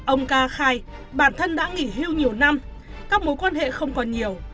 ông ca khai bản thân đã nghỉ hưu nhiều năm các mối quan hệ không còn nhiều